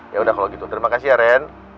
ya udah kalau gitu terima kasih ya rian